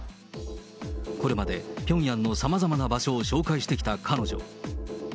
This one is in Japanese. これまでピョンヤンのさまざまな場所を紹介してきた彼女。